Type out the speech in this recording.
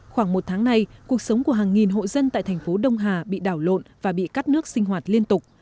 khoảng một tháng nay cuộc sống của hàng nghìn hộ dân tại thành phố đông hà bị đảo lộn và bị cắt nước sinh hoạt liên tục